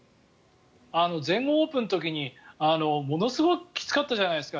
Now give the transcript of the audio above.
全豪オープンの時にものすごくきつかったじゃないですか。